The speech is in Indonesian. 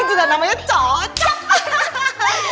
ini juga namanya cocok